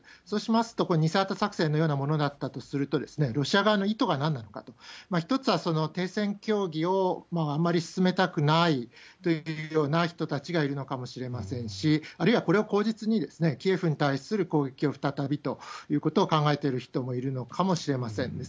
そうしますと、これ、偽旗作戦のようなものだったとすると、ロシア側の意図がなんなのかと。１つは、その停戦協議をあまり進めたくないというような人たちがいるかもしれませんし、あるいはこれを口実に、キエフに対する攻撃を再びということを考えている人もいるのかもしれません。